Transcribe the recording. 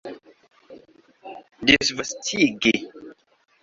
disvastigi